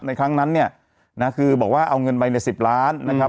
ครั้งนั้นเนี่ยนะคือบอกว่าเอาเงินไปใน๑๐ล้านนะครับ